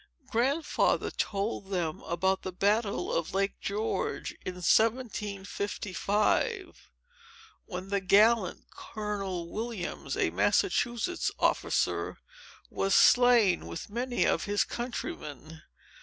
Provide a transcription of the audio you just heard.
Grandfather told them about the battle of Lake George, in 1755, when the gallant Colonel Williams, a Massachusetts officer, was slain, with many of his countrymen.